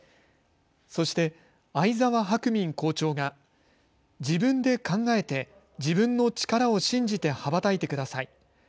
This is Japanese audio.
そして會澤伯民校長が、自分で考えて自分の力を信じて羽ばたいてください。